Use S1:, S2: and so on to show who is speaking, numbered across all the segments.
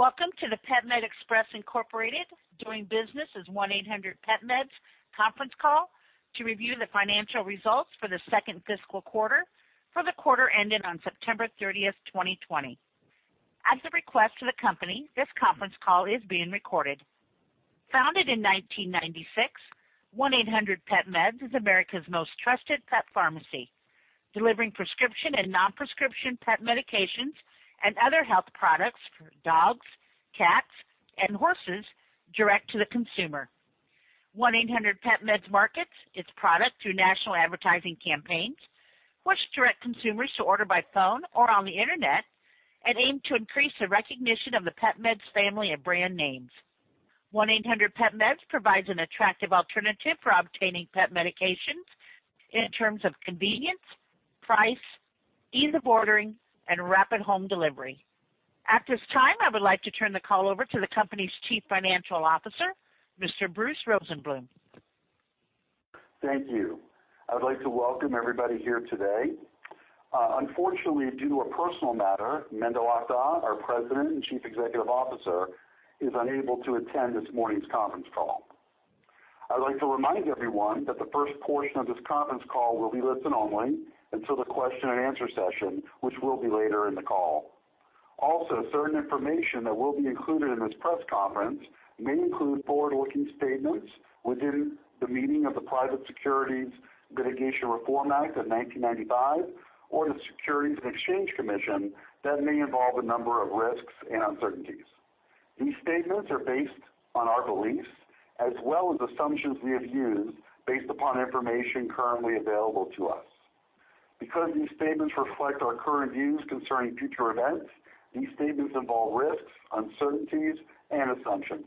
S1: Good morning. Welcome to the PetMed Express Incorporated, doing business as 1-800-PetMeds conference call to review the financial results for the second fiscal quarter for the quarter ending on September 30, 2020. At the request of the company, this conference call is being recorded. Founded in 1996, 1-800-PetMeds is America's most trusted pet pharmacy, delivering prescription and non-prescription pet medications and other health products for dogs, cats, and horses direct to the consumer. 1-800-PetMeds markets its product through national advertising campaigns, which direct consumers to order by phone or on the internet and aim to increase the recognition of the PetMeds family of brand names. 1-800-PetMeds provides an attractive alternative for obtaining pet medications in terms of convenience, price, ease of ordering, and rapid home delivery. At this time, I would like to turn the call over to the company's Chief Financial Officer, Mr. Bruce Rosenbloom.
S2: Thank you. I would like to welcome everybody here today. Unfortunately, due to a personal matter, Menderes Akdag, our President and Chief Executive Officer, is unable to attend this morning's conference call. I'd like to remind everyone that the first portion of this conference call will be listen only until the question and answer session, which will be later in the call. Also, certain information that will be included in this press conference may include forward-looking statements within the meaning of the Private Securities Litigation Reform Act of 1995 or the Securities and Exchange Commission that may involve a number of risks and uncertainties. These statements are based on our beliefs as well as assumptions we have used based upon information currently available to us. Because these statements reflect our current views concerning future events, these statements involve risks, uncertainties, and assumptions.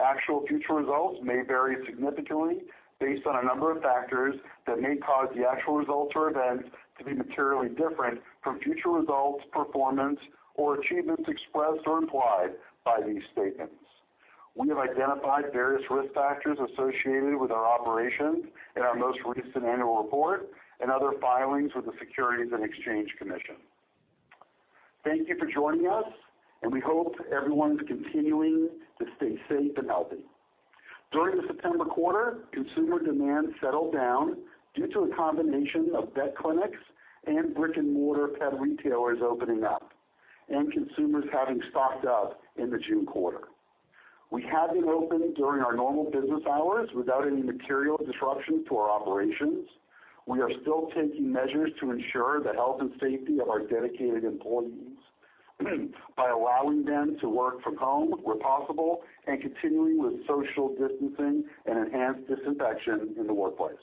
S2: Actual future results may vary significantly based on a number of factors that may cause the actual results or events to be materially different from future results, performance, or achievements expressed or implied by these statements. We have identified various risk factors associated with our operations in our most recent annual report and other filings with the Securities and Exchange Commission. Thank you for joining us, and we hope everyone's continuing to stay safe and healthy. During the September quarter, consumer demand settled down due to a combination of vet clinics and brick-and-mortar pet retailers opening up and consumers having stocked up in the June quarter. We have been open during our normal business hours without any material disruption to our operations. We are still taking measures to ensure the health and safety of our dedicated employees by allowing them to work from home where possible and continuing with social distancing and enhanced disinfection in the workplace.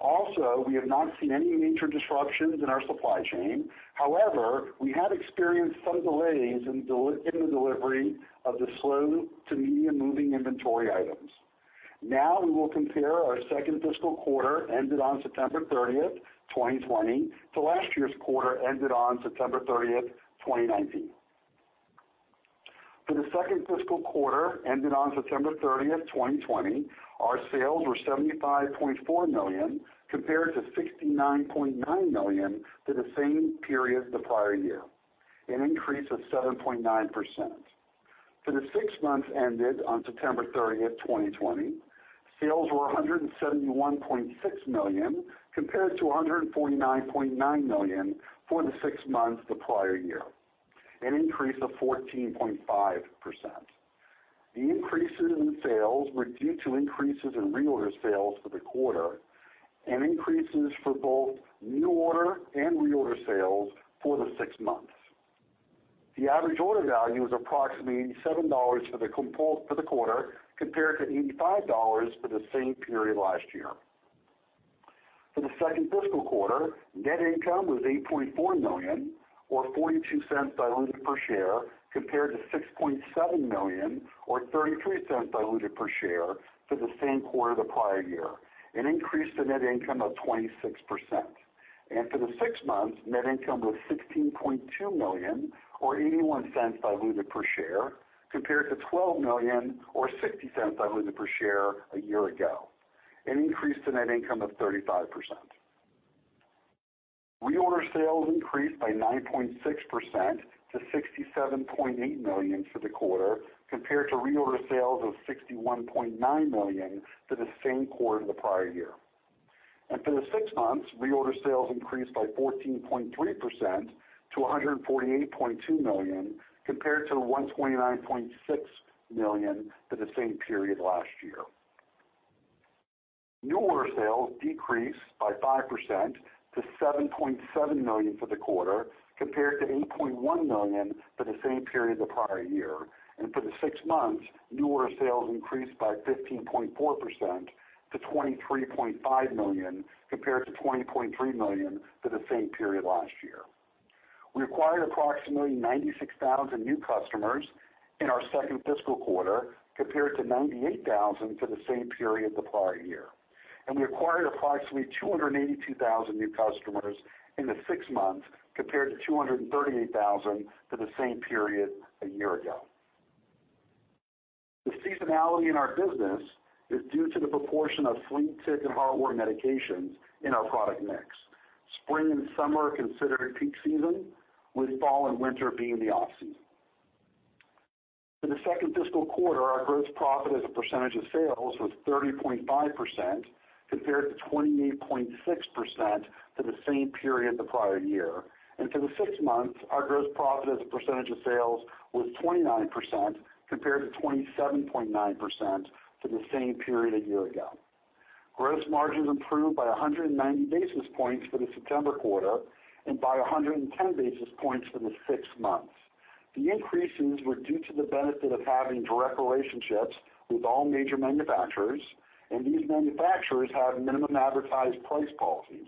S2: Also, we have not seen any major disruptions in our supply chain. However, we have experienced some delays in the delivery of the slow to medium moving inventory items. Now, we will compare our second fiscal quarter ended on September 30, 2020 to last year's quarter ended on September 30, 2019. For the second fiscal quarter ended on September 30, 2020, our sales were $75.4 million compared to $69.9 million for the same period the prior year, an increase of 7.9%. For the 6 months ended on September 30, 2020, sales were $171.6 million compared to $149.9 million for the 6 months the prior year, an increase of 14.5%. The increases in sales were due to increases in reorder sales for the quarter and increases for both new order and reorder sales for the six months. The average order value was approximately $87 for the quarter, compared to $85 for the same period last year. For the second fiscal quarter, net income was $8.4 million, or $0.42 diluted per share, compared to $6.7 million or $0.33 diluted per share for the same quarter the prior year, an increase to net income of 26%. For the six months, net income was $16.2 million, or $0.81 diluted per share, compared to $12 million or $0.60 diluted per share a year ago, an increase to net income of 35%. Reorder sales increased by 9.6% to $67.8 million for the quarter, compared to reorder sales of $61.9 million for the same quarter the prior year. For the six months, reorder sales increased by 14.3% to $148.2 million compared to the $129.6 million for the same period last year. New order sales decreased by 5% to $7.7 million for the quarter, compared to $8.1 million for the same period the prior year. For the six months, new order sales increased by 15.4% to $23.5 million compared to $20.3 million for the same period last year. We acquired approximately 96,000 new customers in our second fiscal quarter compared to 98,000 for the same period the prior year. We acquired approximately 282,000 new customers in the six months compared to 238,000 for the same period a year ago. The seasonality in our business is due to the proportion of flea, tick, and heartworm medications in our product mix. Spring and summer are considered peak season, with fall and winter being the off-season. For the second fiscal quarter, our gross profit as a percentage of sales was 30.5%, compared to 28.6% for the same period the prior year. For the six months, our gross profit as a percentage of sales was 29%, compared to 27.9% for the same period a year ago. Gross margins improved by 190 basis points for the September quarter and by 110 basis points for the six months. The increases were due to the benefit of having direct relationships with all major manufacturers, and these manufacturers have minimum advertised price policies.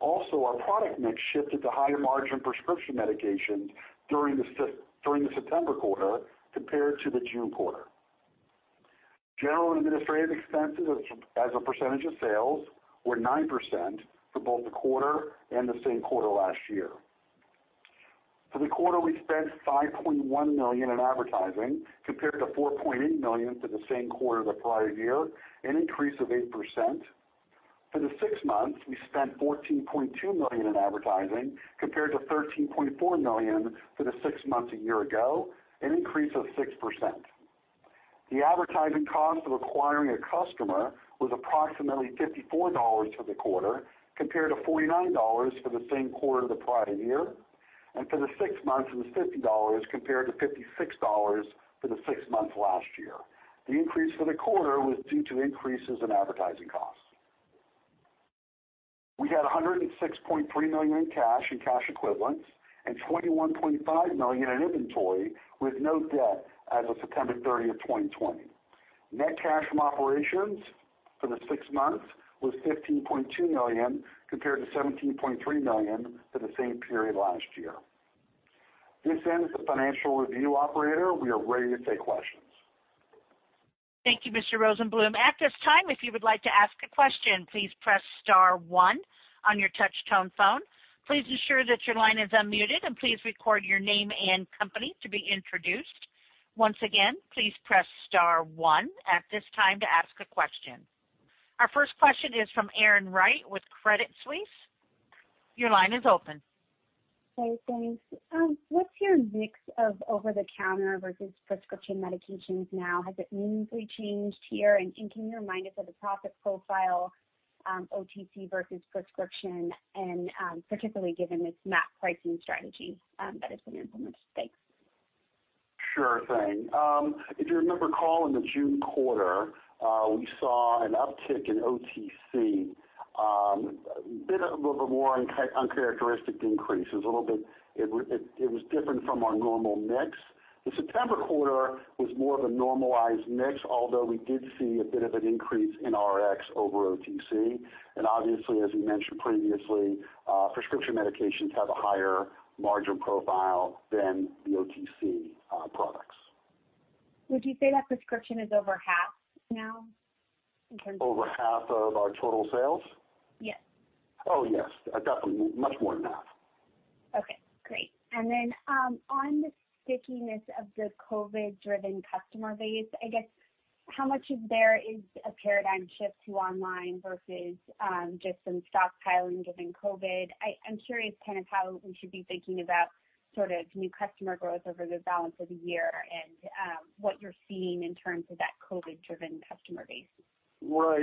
S2: Also, our product mix shifted to higher-margin prescription medications during the September quarter compared to the June quarter. General and administrative expenses as a percentage of sales were 9% for both the quarter and the same quarter last year. For the quarter, we spent $5.1 million in advertising, compared to $4.8 million for the same quarter the prior year, an increase of 8%. For the six months, we spent $14.2 million in advertising compared to $13.4 million for the six months a year ago, an increase of 6%. The advertising cost of acquiring a customer was approximately $54 for the quarter, compared to $49 for the same quarter the prior year, and for the six months, it was $50 compared to $56 for the six months last year. The increase for the quarter was due to increases in advertising costs. We had $106.3 million in cash and cash equivalents and $21.5 million in inventory with no debt as of September 30, 2020. Net cash from operations for the six months was $15.2 million, compared to $17.3 million for the same period last year. This ends the financial review, operator. We are ready to take questions.
S1: Thank you, Mr. Rosenbloom. At this time, if you would like to ask a question, please press star one on your touch-tone phone. Please ensure that your line is unmuted, and please record your name and company to be introduced. Once again, please press star one at this time to ask a question. Our first question is from Erin Wright with Credit Suisse. Your line is open.
S3: Okay, thanks. What's your mix of over-the-counter versus prescription medications now? Has it meaningfully changed here? Can you remind us of the profit profile, OTC versus prescription, and particularly given this MAP pricing strategy that has been implemented? Thanks.
S2: Sure thing. If you remember call in the June quarter, we saw an uptick in OTC. A bit of a more uncharacteristic increase. It was different from our normal mix. The September quarter was more of a normalized mix, although we did see a bit of an increase in Rx over OTC. Obviously, as we mentioned previously, prescription medications have a higher margin profile than the OTC products.
S3: Would you say that prescription is over half now in terms of?
S2: Over half of our total sales?
S3: Yes.
S2: Oh, yes. Definitely much more than half.
S3: Okay, great. Then on the stickiness of the COVID-driven customer base, I guess how much of there is a paradigm shift to online versus just some stockpiling given COVID? I'm curious how we should be thinking about new customer growth over the balance of the year and what you're seeing in terms of that COVID-driven customer base.
S2: Right.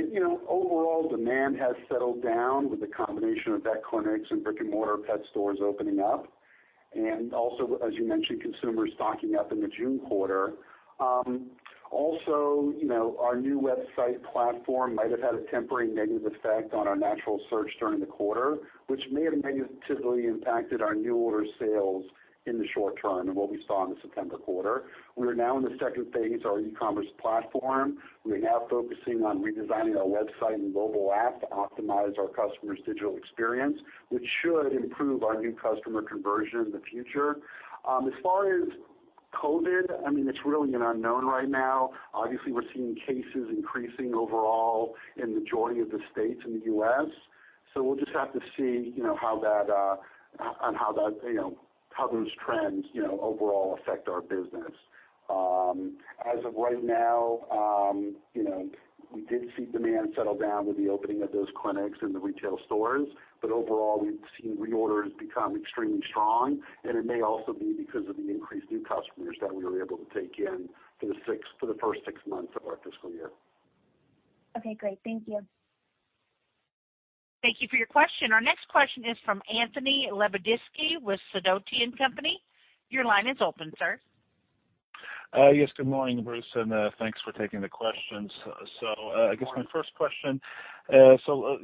S2: As you mentioned, consumers stocking up in the June quarter. Our new website platform might have had a temporary negative effect on our natural search during the quarter, which may have negatively impacted our new order sales in the short term and what we saw in the September quarter. We are now in the second phase of our e-commerce platform. We're now focusing on redesigning our website and mobile app to optimize our customers' digital experience, which should improve our new customer conversion in the future. As far as COVID, it's really an unknown right now. We're seeing cases increasing overall in the majority of the states in the U.S., we'll just have to see how those trends overall affect our business. As of right now, we did see demand settle down with the opening of those clinics and the retail stores. Overall, we've seen reorders become extremely strong, it may also be because of the increased new customers that we were able to take in for the first six months of our fiscal year.
S3: Okay, great. Thank you.
S1: Thank you for your question. Our next question is from Anthony Lebiedzinski with Sidoti & Company. Your line is open, sir.
S4: Good morning, Bruce, and thanks for taking the questions.
S2: Good morning.
S4: I guess my first question,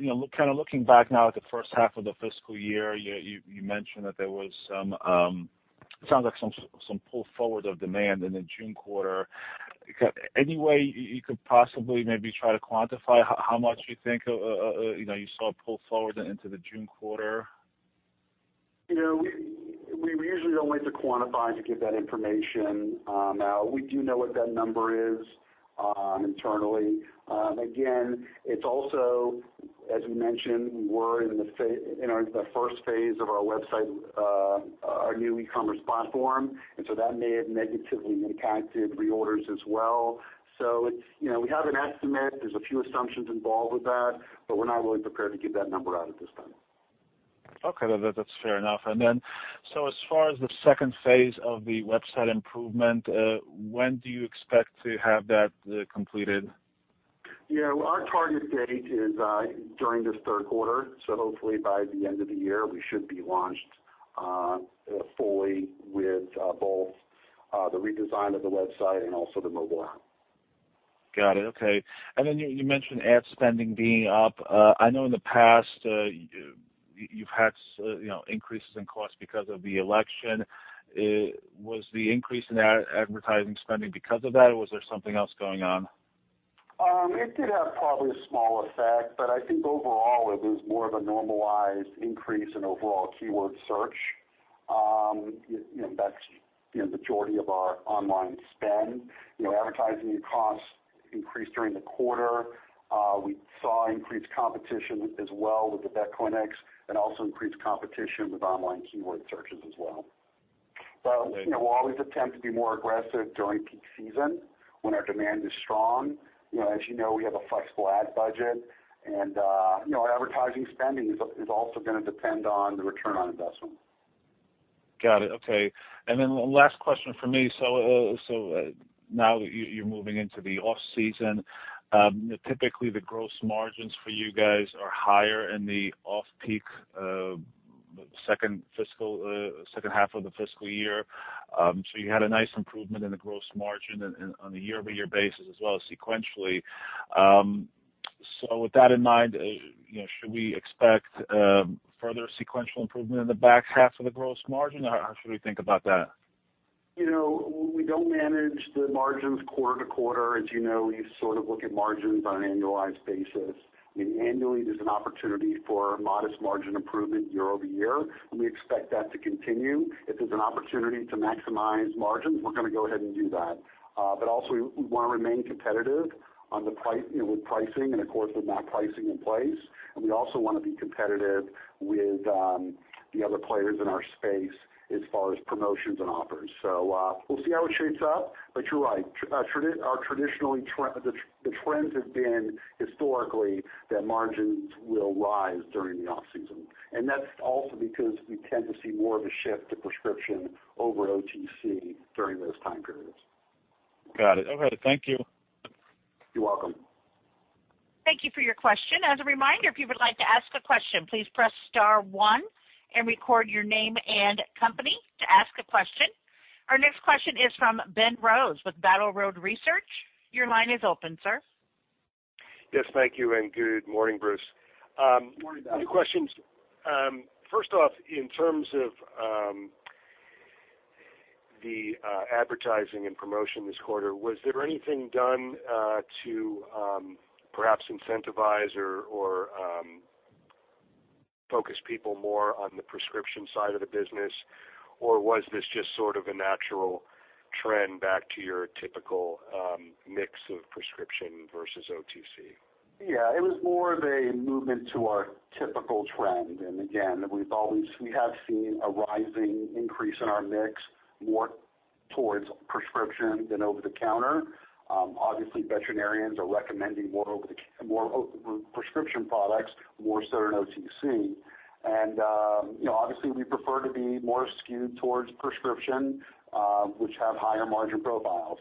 S4: looking back now at the first half of the fiscal year, you mentioned that there was some, it sounds like some pull forward of demand in the June quarter. Any way you could possibly maybe try to quantify how much you think you saw pull forward into the June quarter?
S2: We usually don't like to quantify to give that information out. We do know what that number is internally. Again, it's also, as we mentioned, we're in the first phase of our website, our new e-commerce platform, and so that may have negatively impacted reorders as well. We have an estimate. There's a few assumptions involved with that, but we're not really prepared to give that number out at this time.
S4: Okay, that's fair enough. As far as the phase 2 of the website improvement, when do you expect to have that completed?
S2: Yeah. Our target date is during this third quarter, hopefully by the end of the year, we should be launched fully with both the redesign of the website and also the mobile app.
S4: Got it. Okay. You mentioned ad spending being up. I know in the past, you've had increases in cost because of the election. Was the increase in advertising spending because of that, or was there something else going on?
S2: It did have probably a small effect, I think overall, it was more of a normalized increase in overall keyword search. That's the majority of our online spend. Advertising costs increased during the quarter. We saw increased competition as well with the Vet clinics and also increased competition with online keyword searches as well. We'll always attempt to be more aggressive during peak season when our demand is strong. As you know, we have a flexible ad budget, and our advertising spending is also going to depend on the ROI.
S4: Got it. Okay. Last question from me. Now that you're moving into the off-season, typically the gross margins for you guys are higher in the off-peak second half of the fiscal year. You had a nice improvement in the gross margin on a year-over-year basis as well as sequentially. With that in mind, should we expect further sequential improvement in the back half of the gross margin, or how should we think about that?
S2: We don't manage the margins quarter-to-quarter. As you know, we sort of look at margins on an annualized basis. Annually, there's an opportunity for modest margin improvement year-over-year, and we expect that to continue. If there's an opportunity to maximize margins, we're going to go ahead and do that. We want to remain competitive with pricing and, of course, with MAP pricing in place, and we also want to be competitive with the other players in our space as far as promotions and offers. We'll see how it shapes up. You're right. The trends have been historically that margins will rise during the off-season, and that's also because we tend to see more of a shift to prescription over OTC during those time periods.
S4: Got it. Okay. Thank you.
S2: You're welcome.
S1: Thank you for your question. As a reminder, if you would like to ask a question, please press star one and record your name and company to ask a question. Our next question is from Ben Rose with Battle Road Research. Your line is open, sir.
S5: Yes, thank you. Good morning, Bruce.
S2: Morning, Ben.
S5: A few questions. First off, in terms of the advertising and promotion this quarter, was there anything done to perhaps incentivize or focus people more on the prescription side of the business, or was this just sort of a natural trend back to your typical mix of prescription versus OTC?
S2: It was more of a movement to our typical trend. We have seen a rising increase in our mix more towards prescription than over-the-counter. Obviously, veterinarians are recommending more prescription products, more so than OTC. We prefer to be more skewed towards prescription, which have higher margin profiles.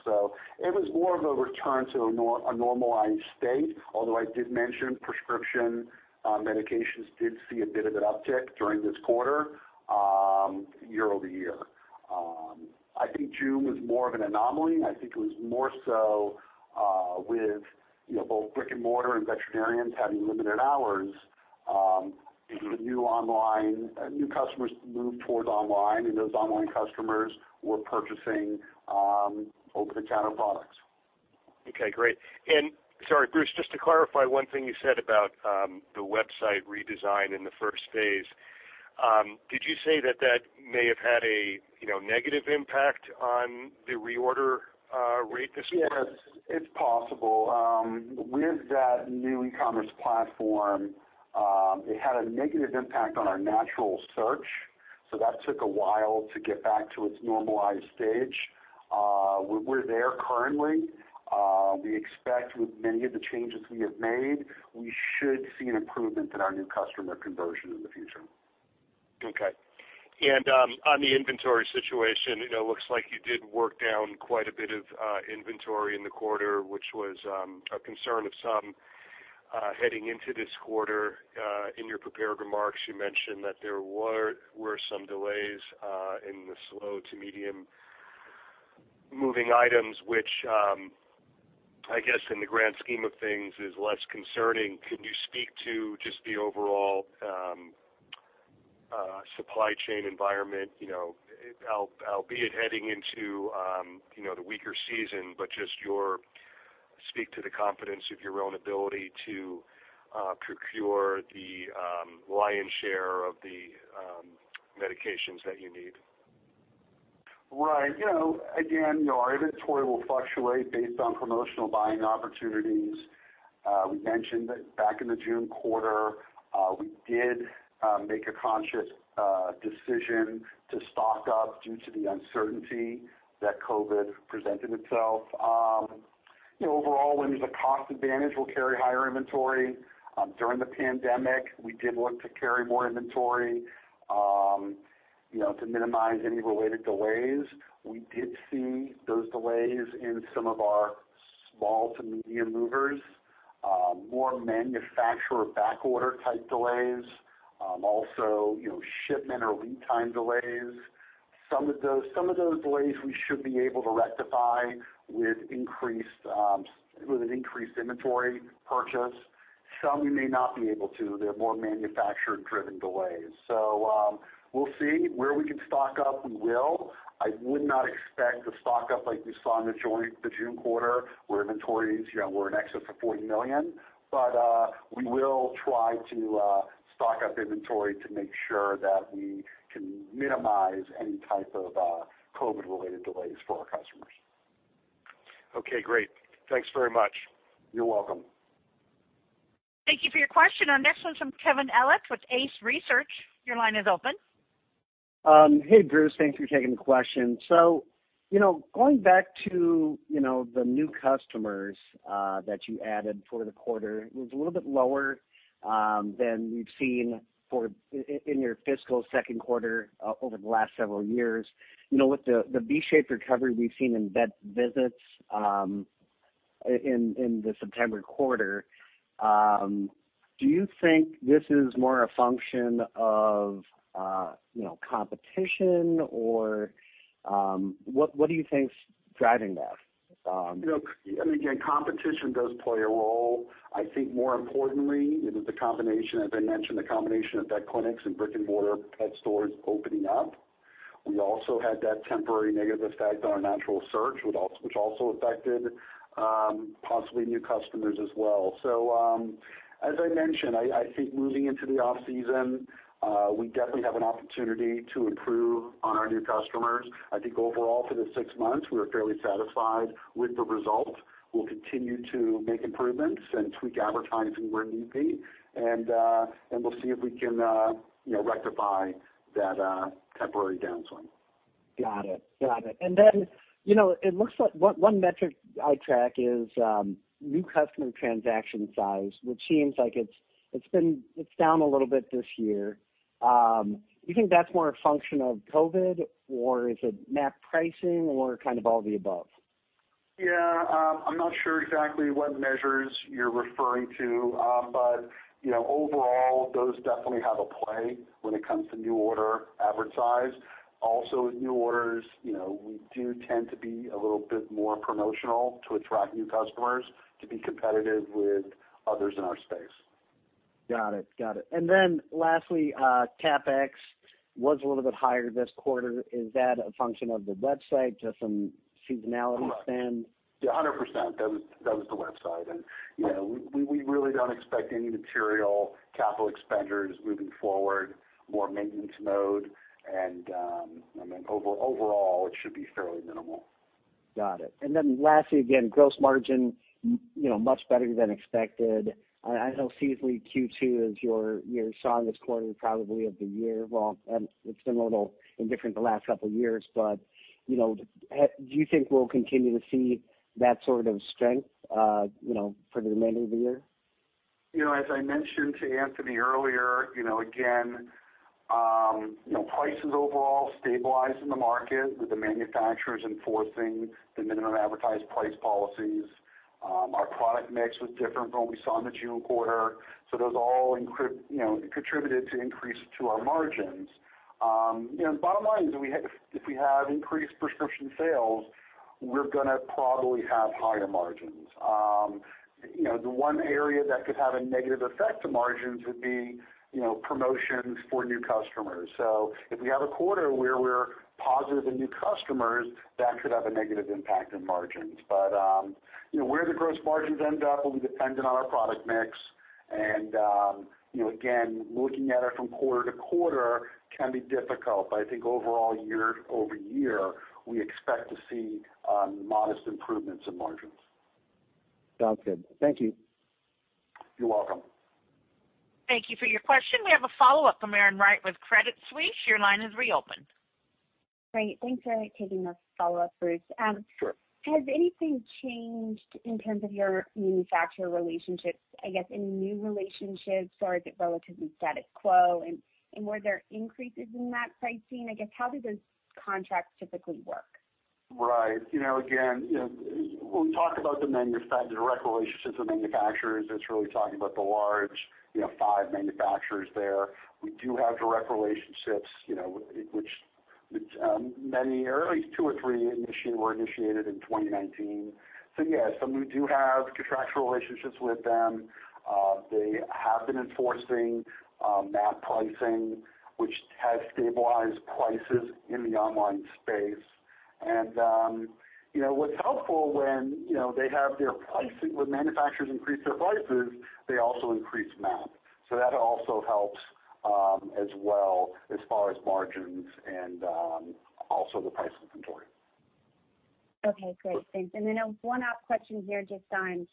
S2: It was more of a return to a normalized state. Although I did mention prescription medications did see a bit of an uptick during this quarter year-over-year. I think June was more of an anomaly, and I think it was more so with both brick and mortar and veterinarians having limited hours. The new customers moved towards online, and those online customers were purchasing over-the-counter products.
S5: Great. Sorry, Bruce, just to clarify one thing you said about the website redesign in the first phase. Did you say that that may have had a negative impact on the reorder rate this quarter?
S2: Yes, it's possible. With that new e-commerce platform, it had a negative impact on our natural search, that took a while to get back to its normalized stage. We're there currently. We expect with many of the changes we have made, we should see an improvement in our new customer conversion in the future.
S5: On the inventory situation, it looks like you did work down quite a bit of inventory in the quarter, which was a concern of some heading into this quarter. In your prepared remarks, you mentioned that there were some delays in the slow to medium-moving items, which I guess in the grand scheme of things is less concerning. Can you speak to just the overall supply chain environment? Albeit heading into the weaker season, just speak to the confidence of your own ability to procure the lion's share of the medications that you need.
S2: Right. Again, our inventory will fluctuate based on promotional buying opportunities. We mentioned that back in the June quarter, we did make a conscious decision to stock up due to the uncertainty that COVID presented itself. Overall, when there's a cost advantage, we'll carry higher inventory. During the pandemic, we did look to carry more inventory, to minimize any related delays. We did see those delays in some of our small to medium movers. More manufacturer backorder type delays. Also, shipment or lead time delays. Some of those delays we should be able to rectify with an increased inventory purchase. Some we may not be able to. They're more manufacturer-driven delays. We'll see. Where we can stock up, we will. I would not expect a stock-up like we saw in the June quarter, where inventories were in excess of $40 million. We will try to stock up inventory to make sure that we can minimize any type of COVID-related delays for our customers.
S5: Okay, great. Thanks very much.
S2: You're welcome.
S1: Thank you for your question. Our next one's from Kevin Ellig with Ace Research. Your line is open.
S6: Hey, Bruce. Thanks for taking the question. Going back to the new customers that you added for the quarter, it was a little bit lower than we've seen in your fiscal second quarter over the last several years. With the V-shaped recovery we've seen in vet visits in the September quarter, do you think this is more a function of competition, or what do you think is driving that?
S2: Competition does play a role. I think more importantly, it is, as I mentioned, the combination of vet clinics and brick-and-mortar pet stores opening up. We also had that temporary negative effect on our natural search, which also affected possibly new customers as well. As I mentioned, I think moving into the off-season, we definitely have an opportunity to improve on our new customers. I think overall for the six months, we were fairly satisfied with the result. We'll continue to make improvements and tweak advertising where need be, and we'll see if we can rectify that temporary downswing.
S6: Got it. It looks like one metric I track is new customer transaction size, which seems like it's down a little bit this year. You think that's more a function of COVID, or is it MAP pricing, or kind of all the above?
S2: Yeah. I'm not sure exactly what measures you're referring to. Overall, those definitely have a play when it comes to new order advertise. Also, with new orders, we do tend to be a little bit more promotional to attract new customers to be competitive with others in our space.
S6: Got it. Lastly, CapEx was a little bit higher this quarter. Is that a function of the website, just some seasonality spend?
S2: Right. Yeah, 100%. That was the website. We really don't expect any material capital expenditures moving forward. More maintenance mode. Overall, it should be fairly minimal.
S6: Got it. Lastly, again, gross margin much better than expected. I know seasonally Q2 is your strongest quarter probably of the year. Well, it's been a little indifferent the last couple of years. Do you think we'll continue to see that sort of strength for the remainder of the year?
S2: As I mentioned to Anthony earlier, prices overall stabilized in the market with the manufacturers enforcing the Minimum Advertised Price policies. Our product mix was different from what we saw in the June quarter. Those all contributed to increases to our margins. Bottom line is, if we have increased prescription sales, we're going to probably have higher margins. The one area that could have a negative effect to margins would be promotions for new customers. If we have a quarter where we're positive in new customers, that could have a negative impact on margins. Where the gross margins end up will be dependent on our product mix. Again, looking at it from quarter to quarter can be difficult. I think overall, year-over-year, we expect to see modest improvements in margins.
S6: Sounds good. Thank you.
S2: You're welcome.
S1: Thank you for your question. We have a follow-up from Erin Wright with Credit Suisse. Your line is reopened.
S3: Great. Thanks for taking the follow-up, Bruce.
S2: Sure.
S3: Has anything changed in terms of your manufacturer relationships, I guess any new relationships, or is it relatively status quo? Were there increases in that pricing? I guess, how do those contracts typically work?
S2: Right. Again, when we talk about the direct relationship with manufacturers, it's really talking about the large five manufacturers there. We do have direct relationships, at least two or three were initiated in 2019. Yeah, some we do have contractual relationships with them. They have been enforcing MAP pricing, which has stabilized prices in the online space. What's helpful when manufacturers increase their prices, they also increase MAP. That also helps as well as far as margins and also the price inventory.
S3: Okay, great. Thanks. One last question here just on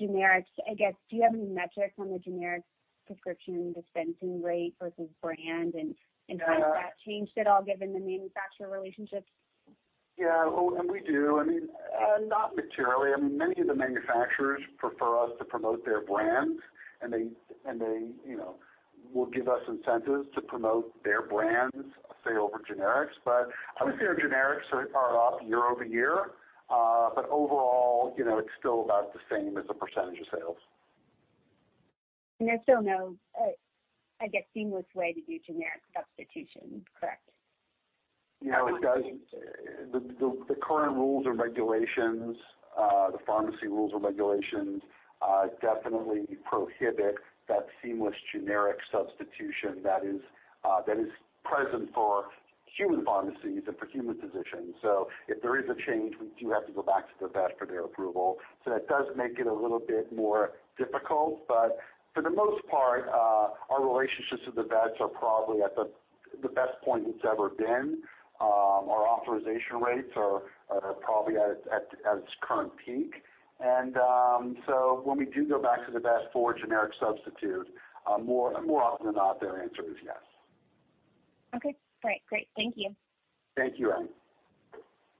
S3: generics. I guess, do you have any metrics on the generics prescription dispensing rate versus brand and how has that changed at all given the manufacturer relationships?
S2: Yeah, we do. Not materially. Many of the manufacturers prefer us to promote their brands, they will give us incentives to promote their brands, say, over generics. I would say our generics are up year-over-year. Overall, it's still about the same as a percentage of sales.
S3: There's still no, I guess, seamless way to do generic substitution, correct?
S2: Yeah. The current rules or regulations, the pharmacy rules or regulations, definitely prohibit that seamless generic substitution that is present for human pharmacies and for human physicians. If there is a change, we do have to go back to the vet for their approval. That does make it a little bit more difficult. For the most part, our relationships with the vets are probably at the best point it's ever been. Our authorization rates are probably at its current peak. When we do go back to the vet for a generic substitute, more often than not, their answer is yes.
S3: Okay, great. Thank you.
S2: Thank you, Erin.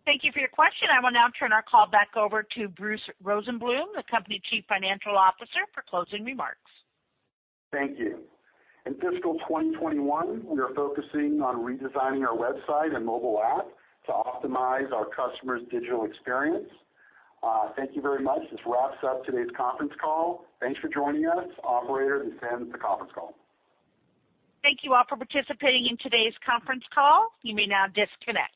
S1: Thank you for your question. I will now turn our call back over to Bruce Rosenbloom, the company Chief Financial Officer, for closing remarks.
S2: Thank you. In fiscal 2021, we are focusing on redesigning our website and mobile app to optimize our customers' digital experience. Thank you very much. This wraps up today's conference call. Thanks for joining us. Operator, you can end the conference call.
S1: Thank you all for participating in today's conference call. You may now disconnect.